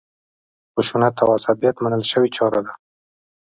خشونت او عصبیت منل شوې چاره ده.